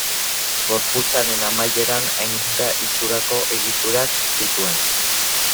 Gorputzaren amaieran aingura itxurako egiturak zituen.